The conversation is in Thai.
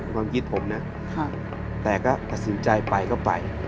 ความคิดผมนะแต่ก็ตัดสินใจไปก็ไป